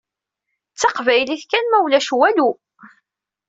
D taqbaylit kan mulac walu!